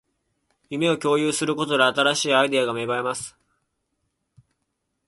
夢を共有することで、新しいアイデアが芽生えます